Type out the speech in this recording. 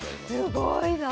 すごいなあ！